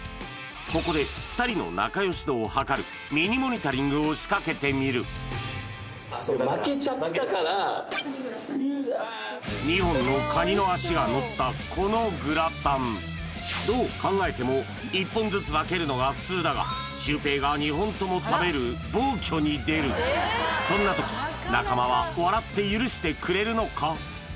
ここで２人の仲良し度をはかるミニモニタリングを仕掛けてみる２本のカニの脚がのったこのグラタンどう考えても１本ずつ分けるのが普通だがシュウペイが２本とも食べる暴挙に出るそんな時中間は笑って許してくれるのか？